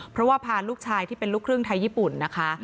เพราะว่าพาลูกชายที่เป็นลูกครึ่งไทยญี่ปุ่นนะคะ